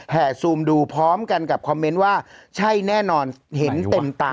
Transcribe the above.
ซูมดูพร้อมกันกับคอมเมนต์ว่าใช่แน่นอนเห็นเต็มตา